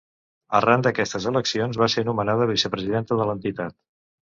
Arran d'aquestes eleccions, va ser nomenada vicepresidenta de l'entitat.